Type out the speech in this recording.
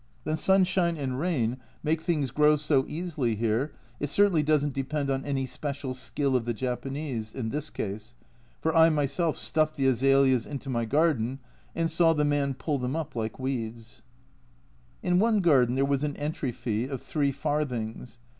The sunshine and rain make 150 A Journal from Japan things grow so easily here, it certainly doesn't depend on any special "skill of the Japanese" in this case, for I myself stuffed the azaleas into my garden and saw the man pull them up like weeds. In one garden there was an entry fee of three farthings.